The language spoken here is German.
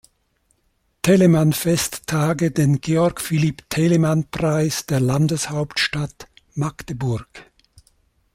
Telemann-Festtage den Georg-Philipp-Telemann-Preis der Landeshauptstadt Magdeburg.